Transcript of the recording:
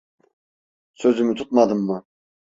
Sözümü tutmadım mı?